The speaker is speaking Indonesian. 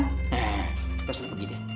eh kita suruh pergi deh